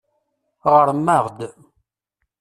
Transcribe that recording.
Ɣṛem-aɣ-d.